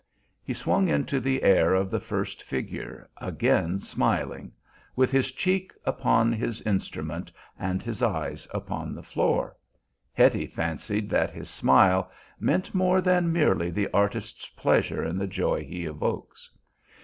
He swung into the air of the first figure again, smiling, with his cheek upon his instrument and his eyes upon the floor. Hetty fancied that his smile meant more than merely the artist's pleasure in the joy he evokes.